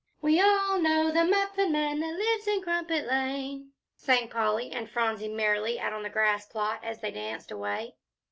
"We all know the Muffin Man that lives in Crumpet Lane," sang Polly and Phronsie merrily, out on the grass plot, as they danced away.